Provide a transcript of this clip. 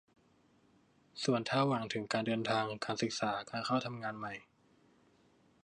ส่วนถ้าหวังถึงการเดินทาง การศึกษา การเข้าทำงานใหม่